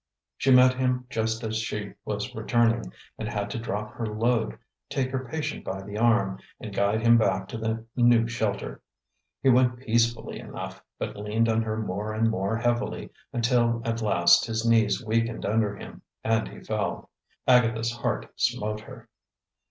She met him just as she was returning, and had to drop her load, take her patient by the arm, and guide him back to the new shelter. He went peacefully enough, but leaned on her more and more heavily, until at last his knees weakened under him and he fell. Agatha's heart smote her.